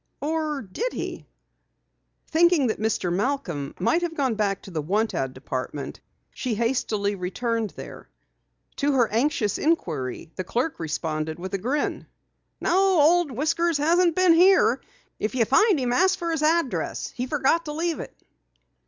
Or did he?" Thinking that Mr. Malcom might have gone back to the want ad department, she hastily returned there. To her anxious inquiry, the clerk responded with a grin: "No, Old Whiskers hasn't been here. If you find him, ask for his address. He forgot to leave it."